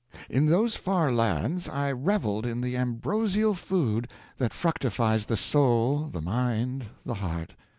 In those far lands I reveled in the ambrosial food that fructifies the soul, the mind, the heart.